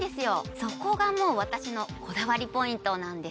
そこがもう、私のこだわりポイントなんです。